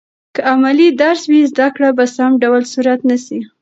که عملي درس وي، زده کړه په سم ډول صورت نیسي.